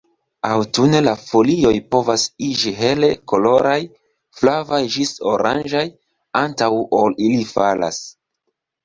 Aŭtune la folioj povas iĝi hele koloraj, flavaj ĝis oranĝaj, antaŭ ol ili falas.